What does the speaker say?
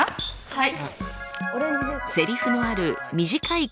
はい。